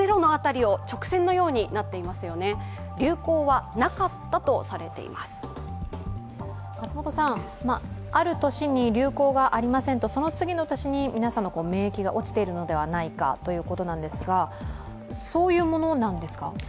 昨日、厚労省の専門家会議では松本さん、ある年に流行がありませんとその次の年に、皆さんの免疫が落ちているのではないかということですがそういうものなんですか？